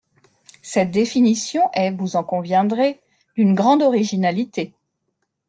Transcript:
Cette définition est, vous en conviendrez, d’une grande originalité.